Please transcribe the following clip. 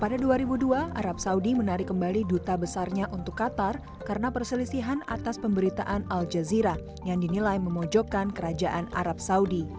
pada dua ribu dua arab saudi menarik kembali duta besarnya untuk qatar karena perselisihan atas pemberitaan al jazeera yang dinilai memojokkan kerajaan arab saudi